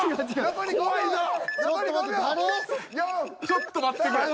ちょっと待ってくれ。